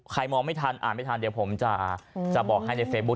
มองไม่ทันอ่านไม่ทันเดี๋ยวผมจะบอกให้ในเฟซบุ๊